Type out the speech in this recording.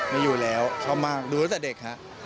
ไม่อยู่แล้วชอบมากดูตั้งแต่เด็กฮะ